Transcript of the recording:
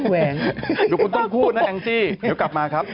เดี๋ยวคุณต้องพูดนะแองจี้เดี๋ยวกลับมาครับ